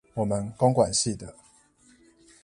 我們工管系的